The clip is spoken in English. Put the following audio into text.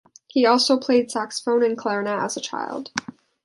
He also played saxophone and clarinet as a child.